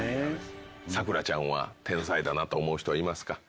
咲楽ちゃんは天才だなと思う人はいますか？